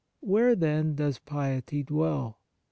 Where, then, does piety dwell